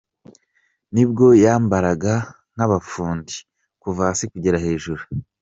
Nibwo yambaraga nk’abafundi kuva hasi kugera hejuru.